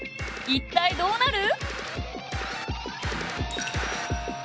一体どうなる？